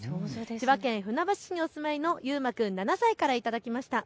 千葉県船橋市にお住まいのゆうま君７歳から頂きました。